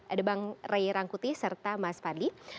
ada bang ray rangkuti serta mas fadli